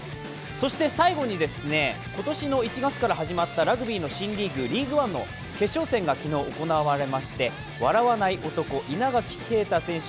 最後に今年の１月から始まったラグビーの新リーグＬＥＡＧＵＥＯＮＥの決勝戦が昨日行われまして笑わない男、稲垣啓太選手